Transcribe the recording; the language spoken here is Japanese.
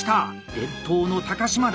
伝統の高島田！